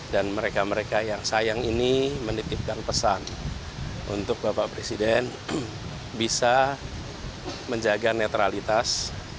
dan mereka mereka yang sayang ini menitipkan pesan untuk bapak presiden bisa menjaga netralitas